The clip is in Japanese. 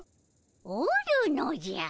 おるのじゃ。